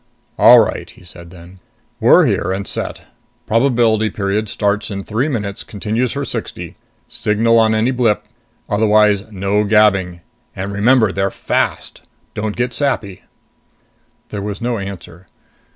"All right," he said then. "We're here and set. Probability period starts in three minutes, continues for sixty. Signal on any blip. Otherwise no gabbing. And remember they're fast. Don't get sappy." There was no answer.